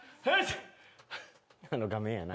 あの画面やな。